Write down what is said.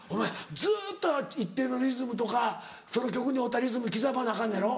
ずっと一定のリズムとかその曲に合うたリズム刻まなアカンのやろ？